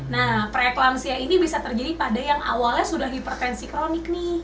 nah preeklampsia ini bisa terjadi pada yang awalnya sudah hipertensi kronik nih